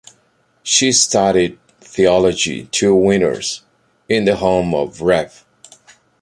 She studied theology two winters in the home of Rev.